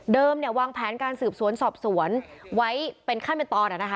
วางแผนการสืบสวนสอบสวนไว้เป็นขั้นเป็นตอน